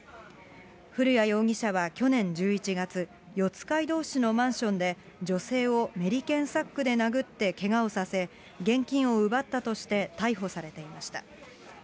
古屋容疑者は去年１１月、四街道市のマンションで、女性をメリケンサックで殴って、けがをさせ、現金を奪ったとして、逮捕されていました。